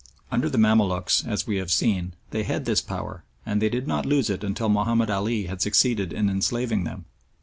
Under the Mamaluks, as we have seen, they had this power, and they did not lose it until Mahomed Ali had succeeded in enslaving them.